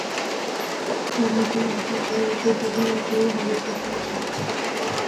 ক্ষমতায় আসার পর এ দুজনের এটাই হবে প্রথম সাক্ষাৎ।